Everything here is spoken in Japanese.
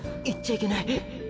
いっちゃいけない」。